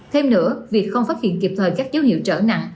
thêm nữa việc không phát hiện kịp thời các dấu hiệu trở nặng